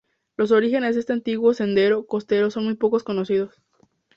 Los orígenes de este antiguo sendero costero son poco conocidos.